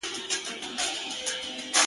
نن دي سترګي سمي دمي میکدې دي ,